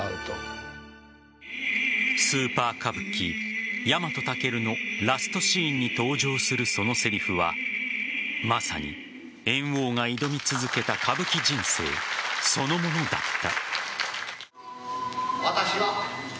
スーパー歌舞伎「ヤマトタケル」のラストシーンに登場するそのセリフはまさに猿翁が挑み続けた歌舞伎人生そのものだった。